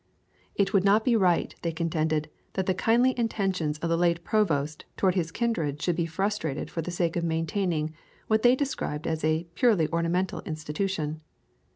It would not be right, they contended, that the kindly intentions of the late Provost towards his kindred should be frustrated for the sake of maintaining what they described as "a purely ornamental institution."